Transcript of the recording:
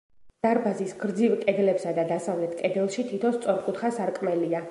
დარბაზის გრძივ კედლებსა და დასავლეთ კედელში თითო სწორკუთხა სარკმელია.